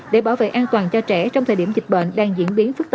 để bảo vệ an toàn cho trẻ trong thời điểm dịch bệnh đang diễn biến phức tạp